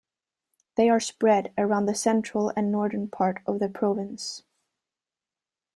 They are spread around the central and northern part of the province.